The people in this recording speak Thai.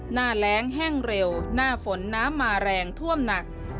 หน้าแรงแห้งเร็วหน้าฝนน้ำมาแรงท่วมหนัก